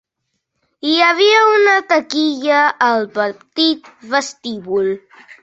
Hi ha una taquilla al petit vestíbul.